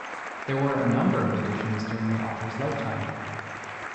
There were a number of editions during the author's lifetime.